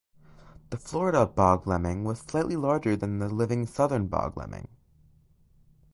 The Florida bog lemming was slightly larger than the living southern bog lemming.